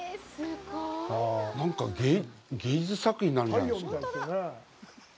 なんか芸術作品になるんじゃないですか？